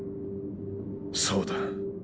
そうだ。